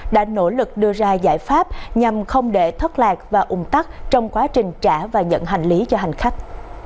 đã nỗ lực đưa ra giải pháp nhằm không để thất lạc và ủng tắc trong quá trình trả và nhận hành lý cho hành khách